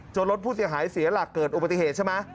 รถผู้เสียหายเสียหลักเกิดอุบัติเหตุใช่ไหม